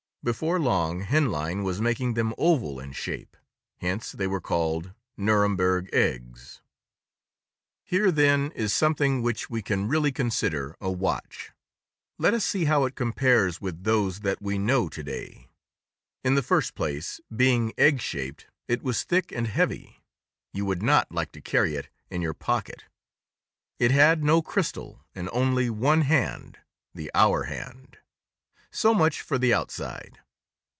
Before long, Henlein was making them oval in shape. Hence, they were called Nuremberg eggs. Here, then, is something which we can really consider a watch. Let us see how it compares with those that we know to day. In the first place, being egg shaped, it was thick and heavy—you would not like to carry it in your pocket. It had no crystal and only one hand—the hour hand. So much for the outside.